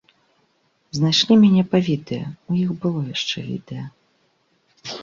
Знайшлі мяне па відэа, у іх было яшчэ відэа.